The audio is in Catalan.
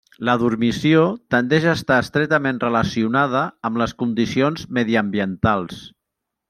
La dormició tendeix a estar estretament relacionada amb les condicions mediambientals.